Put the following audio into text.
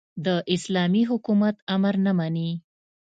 د اسلامي حکومت امر نه مني.